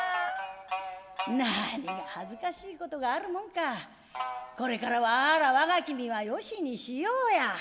「何が恥ずかしい事があるもんかこれからはあーら我が君はよしにしようや」。